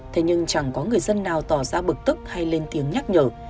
thế nhưng chẳng có người dân nào tỏ ra bực tức hay lên tiếng nhắc nhở